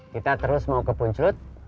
kita terus mau ke puncut